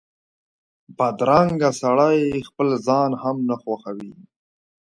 بدرنګه سړی خپل ځان هم نه خوښوي